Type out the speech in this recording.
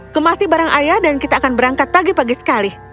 kemasi barang ayah dan kita akan berangkat pagi pagi sekali